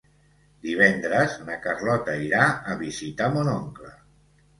Divendres na Carlota irà a visitar mon oncle.